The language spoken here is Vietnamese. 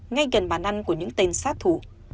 ngay gần bán ăn của những tên sát thủ